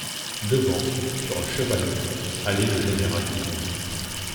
Devant, sur un cheval gris, allait le général Dubourg.